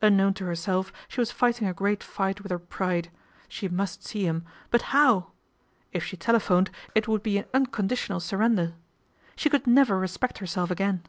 Unknown to herself, she was fighting a great fight with her pride. She must see him, but how ? If she telephoned it would be an unconditional 298 PATRICIA BRENT, SPINSTER surrender. She could never respect herself again.